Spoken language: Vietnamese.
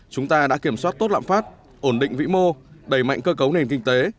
chúng ta đã kiểm soát tốt lãm phát ổn định vĩ mô đẩy mạnh cơ cấu nền kinh tế